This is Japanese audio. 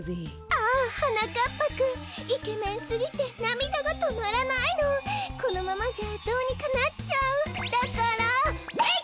ああはなかっぱくんイケメンすぎてなみだがとまらないのこのままじゃどうにかなっちゃうだからえいっ！